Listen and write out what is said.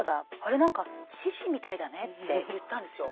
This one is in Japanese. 何か獅子みたいだね」って言ったんですよ。